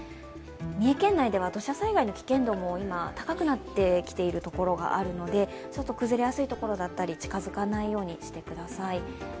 三重県内では土砂災害の危険度も今、高くなってきている所もあるのでちょっと崩れやすいところには近づかないようにしてください。